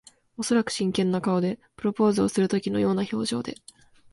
おそらく真剣な顔で。プロポーズをするときのような表情で。